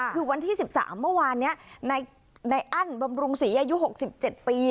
คือวันที่สิบสามเมื่อวานเนี้ยในอั้นบำรุงศรีอายุหกสิบเจ็ดปี